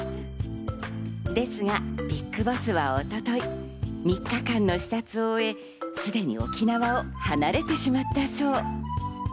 ですがＢＩＧＢＯＳＳは一昨日、３日間の視察を終え、すでに沖縄を離れてしまったそう。